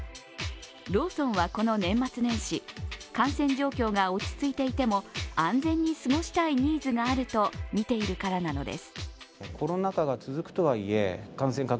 ローソンはこの年末年始、感染状況が落ち着いていても安全に過ごしたいニーズがあると見ているからなのです。